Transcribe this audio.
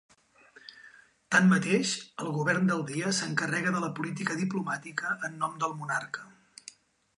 Tanmateix, el govern del dia s'encarrega de la política diplomàtica en nom del monarca.